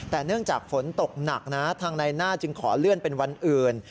แต่เนื่องจากฝนตกหนักนะทางในหน้าจึงขอเลื่อนเป็นวันอื่น